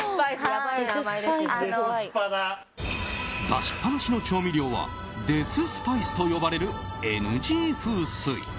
出しっぱなしの調味料はデススパイスと呼ばれるＮＧ風水。